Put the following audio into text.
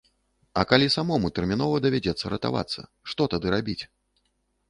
А калі самому тэрмінова давядзецца ратавацца, што тады рабіць?